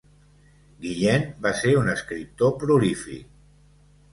Guillain va ser un escriptor prolífic.